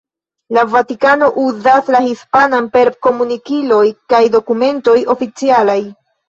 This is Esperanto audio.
La Vatikano uzas la hispanan per komunikiloj kaj dokumentoj oficialaj.